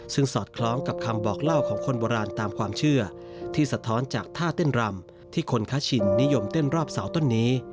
ซึ่งสอดคล้องกับคำบอกเล่าของคนโบราณตามความเชื่อที่สะท้อนจากท่าเต้นรำที่คนค้าชินนิยมเต้นรอบเสาต้นนี้